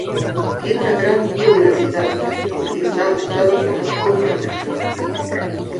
Tiene una gran biodiversidad, aunque está afectada por la contaminación hídrica.